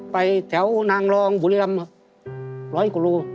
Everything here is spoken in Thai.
ไปแถวนางรองบุรีรำร้อยกว่าโล